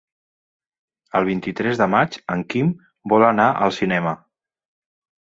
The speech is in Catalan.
El vint-i-tres de maig en Quim vol anar al cinema.